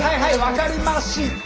分かりました！